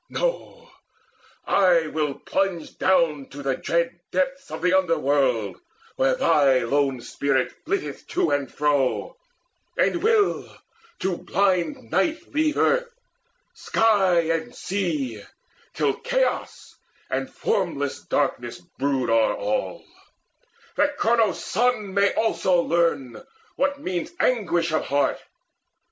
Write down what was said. No, I will plunge Down to the dread depths of the underworld, Where thy lone spirit flitteth to and fro, And will to blind night leave earth, sky, and sea, Till Chaos and formless darkness brood o'er all, That Cronos' Son may also learn what means Anguish of heart.